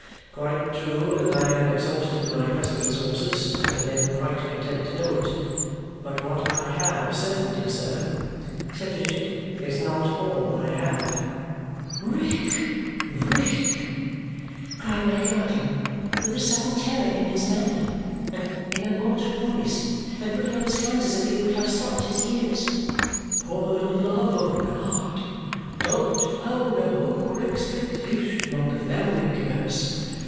"Quite true that I have exhausted my present resources, and I am quite content to know it. But what I have of certainty, sir," said Richard, "is not all I have." "Rick, Rick!" cried my guardian with a sudden terror in his manner, and in an altered voice, and putting up his hands as if he would have stopped his ears. "For the love of God, don't found a hope or expectation on the family curse!